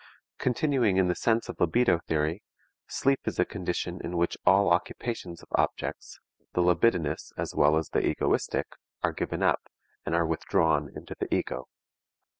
Continuing in the sense of libido theory: sleep is a condition in which all occupations of objects, the libidinous as well as the egoistic, are given up, and are withdrawn into the ego.